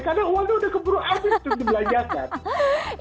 karena waduh udah keburu ardi itu dibelanjakan